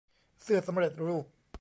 เสื้อสำเร็จรูป